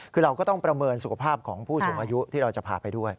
คือเราก็ต้องประเมินสุขภาพของผู้สูงอายุที่เราจะพาไปด้วย